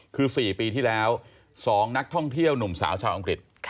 คือ๔ปีที่แล้ว๒นักท่องเที่ยวหนุ่มสาวชาวอังกฤษ